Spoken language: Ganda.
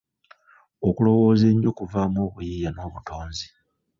Okulowoza ennyo kuvaamu obuyiiya n'obutonzi.